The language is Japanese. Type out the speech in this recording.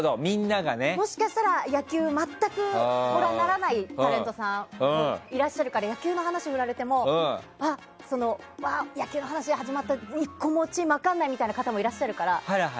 もしかしたら、野球を全くご覧にならないタレントさんもいらっしゃるから野球の話を振られてもあっ、野球の話始まったけど１個もチーム分からないっていう方もいらっしゃるから。